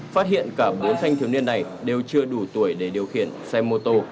phát hiện cả bốn thanh thiếu niên này đều chưa đủ tuổi để điều khiển xe mô tô